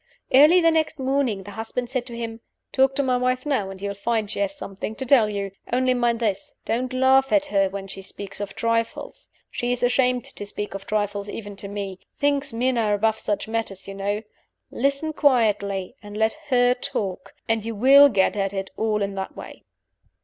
Early the next morning the husband said to him, "Talk to my wife now, and you'll find she has something to tell you. Only mind this. Don't laugh at her when she speaks of trifles. She is half ashamed to speak of trifles, even to me. Thinks men are above such matters, you know. Listen quietly, and let her talk and you will get at it all in that way."